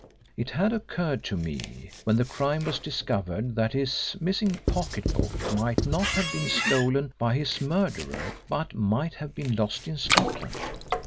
It had occurred to me when the crime was discovered that his missing pocket book might not have been stolen by his murderer, but might have been lost in Scotland.